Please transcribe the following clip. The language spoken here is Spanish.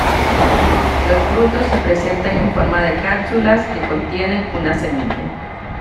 Los frutos se presentan en forma de cápsulas que contienen una semilla.